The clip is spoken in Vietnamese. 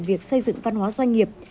việc xây dựng văn hóa doanh nghiệp